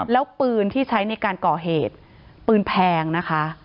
แล้วปืนที่ใช้ในการก่อเหตุปืนแพงนะคะ